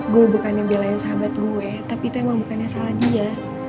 gue bukan yang belain sahabat gue tapi itu emang bukannya salah dia